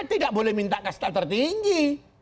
tidak boleh minta kasta tertinggi